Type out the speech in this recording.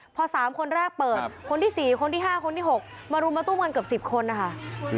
พอสามคนแรกเปิดคนที่สี่คนที่ห้าคนที่หกมารุมมาตุ้มกันเกือบสิบคนนะคะ